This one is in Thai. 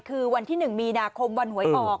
คือวันที่๑มีนาคมวันหวยออก